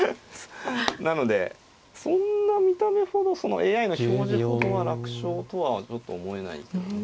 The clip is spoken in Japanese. なのでそんな見た目ほどＡＩの表示ほどは楽勝とはちょっと思えないけどね。